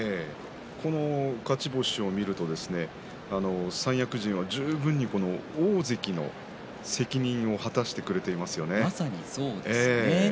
この勝ち星を見ると三役陣は十分に大関の責任をまさにそうですね。